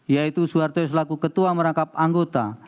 yaitu soeharto selaku ketua merangkap anggota